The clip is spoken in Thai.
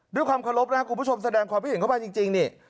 ด้วยความขอรบคุณผู้ชมแสดงความคิดเห็นเข้ามาจริง